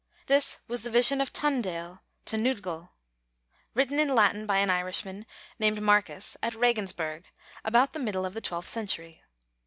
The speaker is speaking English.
This was the Vision of Tundale (Tnudgal), written in Latin by an Irishman named Marcus at Regensburg, about the middle of the twelfth century.